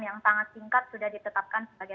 yang sangat singkat sudah ditetapkan sebagai